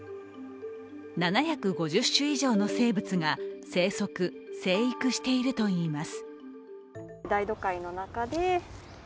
７５０種以上の生物が生息・生育しているといいます。